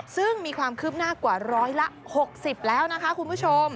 ซึ่งมีความคืบหน้ากว่าร้อยละ๖๐แล้วนะคะคุณผู้ชม